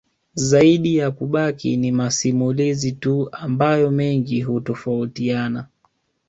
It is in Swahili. Zaidi ya kubaki ni masimulizi tu ambayo mengi hutofautina